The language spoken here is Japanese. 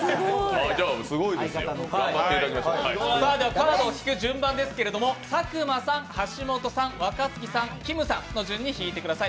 カードを引く順番ですけれども、佐久間さん、橋本さん、若槻さん、きむさんの順に引いてください。